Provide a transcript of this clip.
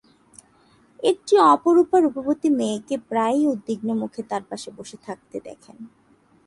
একটি অপরূপা রূপবতী মেয়েকে প্রায়ই উদ্বিগ্ন মুখে তাঁর পাশে বসে থাকতে দেখেন।